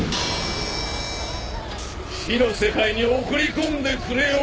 死の世界に送り込んでくれよう！